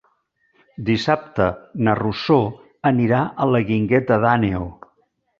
Dissabte na Rosó anirà a la Guingueta d'Àneu.